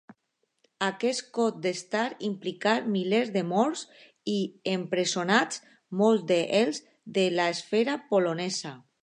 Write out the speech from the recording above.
Aquest cop d'estat implicà milers de morts i empresonats, molts d'ells de l'esfera polonesa.